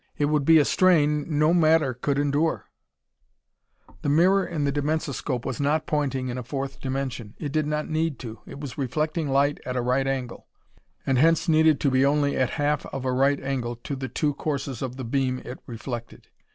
It would be a strain no matter could endure...." The mirror in the dimensoscope was not pointing in a fourth dimension. It did not need to. It was reflecting light at a right angle, and hence needed to be only at half of a right angle to the two courses of the beam it reflected.